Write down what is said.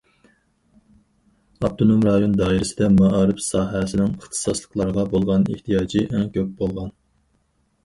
ئاپتونوم رايون دائىرىسىدە مائارىپ ساھەسىنىڭ ئىختىساسلىقلارغا بولغان ئېھتىياجى ئەڭ كۆپ بولغان.